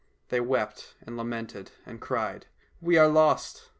They wept and lamented and cried, " We are lost